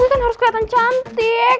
gue kan harus keliatan cantik